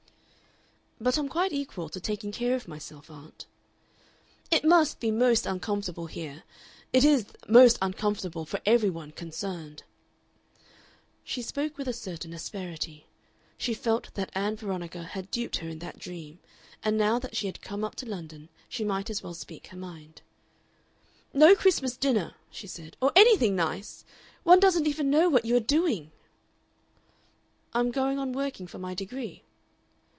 "But I'm quite equal to taking care of myself, aunt." "It must be most uncomfortable here. It is most uncomfortable for every one concerned." She spoke with a certain asperity. She felt that Ann Veronica had duped her in that dream, and now that she had come up to London she might as well speak her mind. "No Christmas dinner," she said, "or anything nice! One doesn't even know what you are doing." "I'm going on working for my degree."